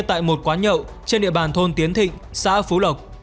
tại một quán nhậu trên địa bàn thôn tiến thịnh xã phú lộc